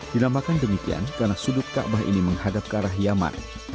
dinamakan demikian karena sudut kaabah ini menghadap ke arah yaman